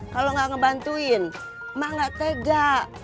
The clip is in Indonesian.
kalau nggak ngebantuin mah nggak tega